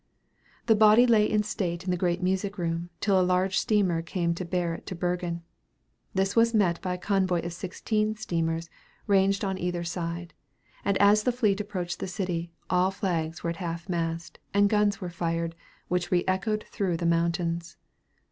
The body lay in state in the great music room till a larger steamer came to bear it to Bergen. This was met by a convoy of sixteen steamers ranged on either side; and as the fleet approached the city, all flags were at half mast, and guns were fired, which re echoed through the mountains.